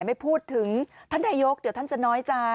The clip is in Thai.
ไม่พูดถึงท่านนายกเดี๋ยวท่านจะน้อยใจ